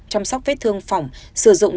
chăm sóc vết thương phòng sử dụng